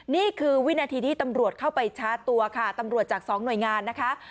นี่คือวินาทีที่ตำรวจเข้าไปชาร์จตัวค่ะตำรวจจากสองหน่วยงานนะคะ